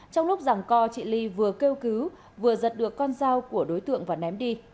trong lúc rằng co chị ly vừa kêu cứu vừa giật được con dao của đối tượng và ném đi